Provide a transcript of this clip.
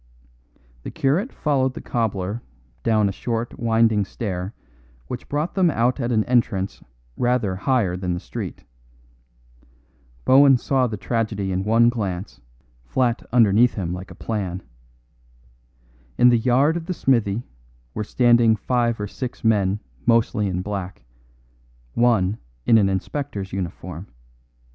The curate followed the cobbler down a short winding stair which brought them out at an entrance rather higher than the street. Bohun saw the tragedy in one glance, flat underneath him like a plan. In the yard of the smithy were standing five or six men mostly in black, one in an inspector's uniform.